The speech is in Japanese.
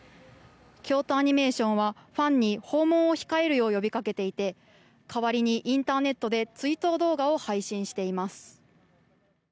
京都アニメーションはファンに訪問を控えるよう呼びかけていて代わりにインターネットで追悼動画を配信しています。